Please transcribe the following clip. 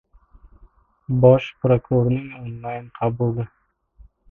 Bosh prokurorning onlayn qabuli